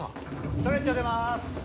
ストレッチャー出ます。